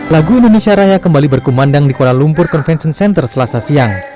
lagu indonesia raya kembali berkumandang di kuala lumpur convention center selasa siang